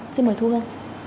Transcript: xin mời thu hân